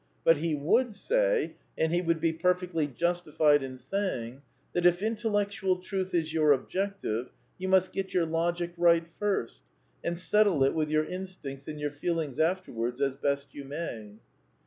But he would say, and he would be perfectly justified in say ing, that, if intellectual truth is your objective, you must get your logic right first and settle it with your instincts and your feelings afterwards as best you may.